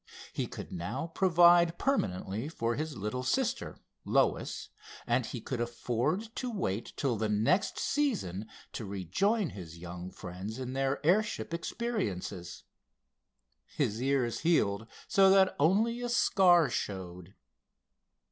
He could now provide permanently for his little sister, Lois, and he could afford to wait till the next season to rejoin his young friends in their airship experiences. His ears healed so that only a scar showed.